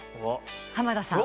濱田さん。